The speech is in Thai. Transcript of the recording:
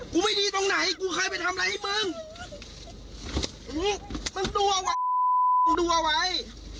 กูไม่ดีตรงไหนกูใครไปทำอะไรให้มึงมึงดัวไว้มึงดัวไว้